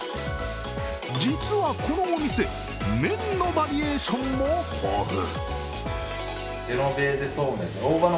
実はこのお店、麺のバリエーションも豊富。